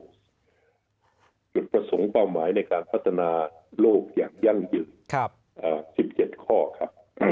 จุดประสงค์เป้าหมายในการพัฒนาโลกอย่างยั่งยืน๑๗ข้อครับ